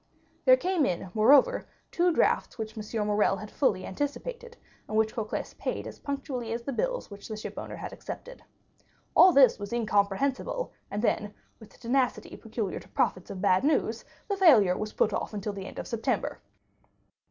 There came in, moreover, two drafts which M. Morrel had fully anticipated, and which Cocles paid as punctually as the bills which the shipowner had accepted. All this was incomprehensible, and then, with the tenacity peculiar to prophets of bad news, the failure was put off until the end of September.